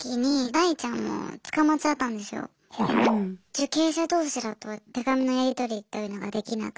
受刑者同士だと手紙のやり取りというのができなくて。